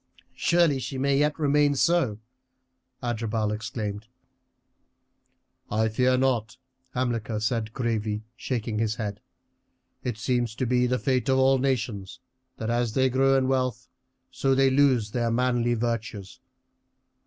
"Surely she may yet remain so," Adherbal exclaimed. "I fear not," Hamilcar said gravely, shaking his head. "It seems to be the fate of all nations, that as they grow in wealth so they lose their manly virtues.